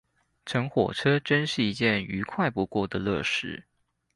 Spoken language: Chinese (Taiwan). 乘火車真是一件愉快不過的樂事！